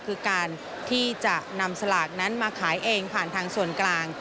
คือการที่จะนำสลากนั้นมาขายเองผ่านทางส่วนกลาง